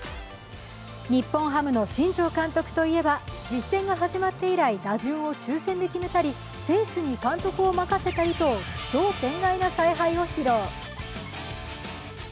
日本ハムの新庄監督といえば実戦が始まって以来、打順を抽選で決めたり、選手に監督を任せたりと奇想天外な采配を披露。